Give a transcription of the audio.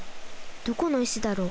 どこの石だろう？